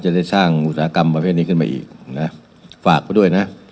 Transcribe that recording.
จะได้สร้างอุตสาหกรรมแบบนี้ขึ้นมาอีกฝากไว้ด้วยนะ